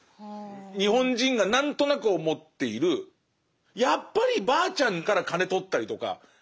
日本人が何となく思っているやっぱりばあちゃんから金とったりとかばあちゃん